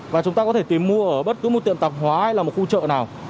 và chúng ta có thể tìm mua ở bất cứ một tiệm tạp hóa hay là một khu chợ nào